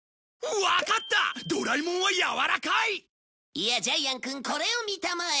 いやジャイアンくんこれを見たまえ。